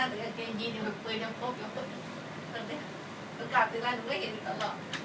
ก็งั้นกลับสีแรงเห็นก็เห็นอีกตลอด